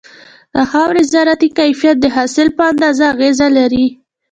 د خاورې زراعتي کيفيت د حاصل په اندازه اغېز لري.